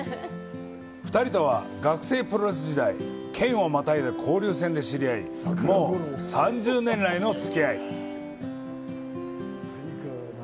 ２人とは学生プロレス時代県をまたいだ交流戦で知り合いもう３０年来のつき合い。